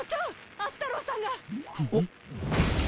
明日太郎さんが！おっ？